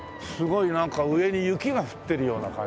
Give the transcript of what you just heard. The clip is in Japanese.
なんか上に雪が降ってるような感じだね。